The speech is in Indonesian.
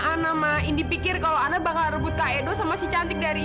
kan saja lfly pikir kalau ana mau rebut kak edo sama si cantik dari dia